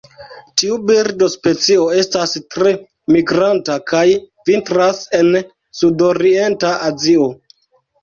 Tiu birdospecio estas tre migranta kaj vintras en sudorienta Azio.